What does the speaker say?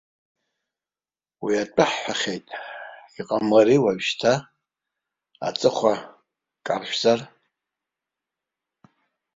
Уи атәы ҳҳәахьеит, иҟамлари уажәшьҭа аҵыхәа каршәзар?!